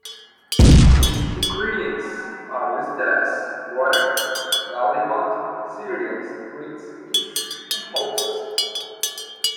Its ingredients are listed as water, barley malt, cereal grains, yeast, and hops.